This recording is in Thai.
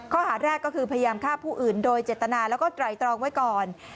ข้อหาแรกก็คือพยายามฆ่าผู้อื่นโดยเจตนาแล้วก็ไตรตรองไว้ก่อน